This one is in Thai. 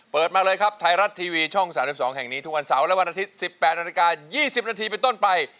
มาเลยครับไทยรัฐทีวีช่อง๓๒แห่งนี้ทุกวันเสาร์และวันอาทิตย์๑๘นาฬิกา๒๐นาทีเป็นต้นไป